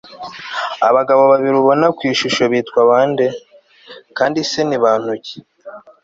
abagabo babiri ubona ku ishusho bitwa bande, kandi se ni bantu ki